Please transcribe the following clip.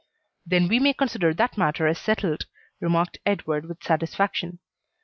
"Then we may consider that matter as settled," remarked Edward with satisfaction.